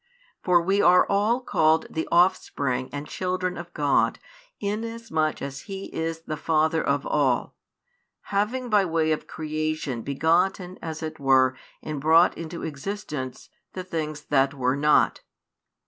For we are all called the offspring and children of God inasmuch as He is the Father of all, having by way of creation begotten as it were and brought into existence the things that were not.